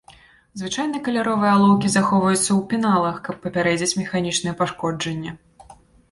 Звычайна каляровыя алоўкі захоўваюцца ў пеналах, каб папярэдзіць механічныя пашкоджанні.